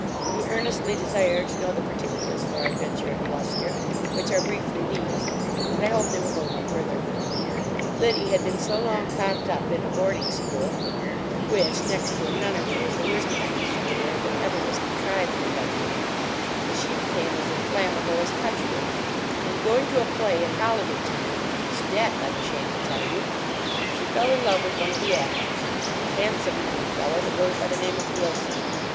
You earnestly desire to know the particulars of our adventure at Gloucester, which are briefly these, and I hope they will go no further: Liddy had been so long copped up in a boarding school, which, next to a nunnery, is the worst kind of seminary that ever was contrived for young women, that she became as inflammable as touch wood; and going to a play in holiday time, 'sdeath, I'm ashamed to tell you! she fell in love with one of the actors a handsome young fellow that goes by the name of Wilson.